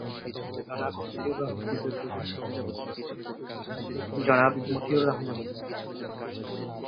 জনাব, মতিউর রহমান।